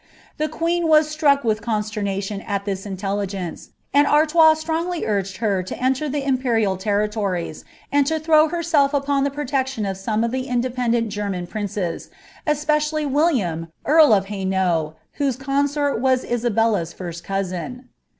The queen was struck with consiein^ lion at ibis intelligence, nnd Artois strongly urged her to enter the inf perinl iciritoncs, and lo throw herself upon the protection of some of d» independent Gennan princes, especially Willimn earl of Hainault, wiiose consort was Isabella's 6rsi cousin.